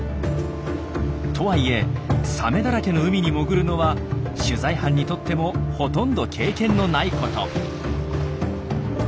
とはいえサメだらけの海に潜るのは取材班にとってもほとんど経験のないこと。